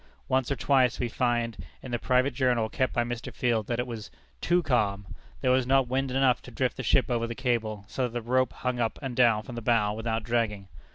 Once or twice we find in the private journal kept by Mr. Field, that it was "too calm;" there was not wind enough to drift the ship over the cable, so that the rope hung up and down from the bow, without dragging.